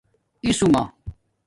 اِسُومہ